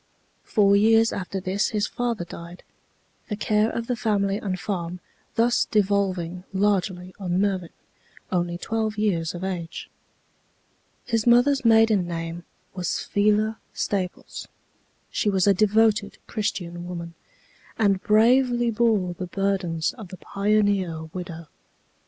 Four years after this his father died, the care of the family and farm thus devolving largely on Mervin, only twelve years of age. His mother's maiden name was Phila Staples. She was a devoted Christian woman, and bravely bore the burdens of the pioneer widow.